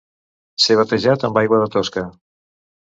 Ser batejat amb aigua de tosca.